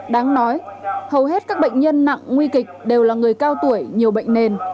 đáng nói hầu hết các bệnh nhân nặng nguy kịch đều là người cao tuổi nhiều bệnh nền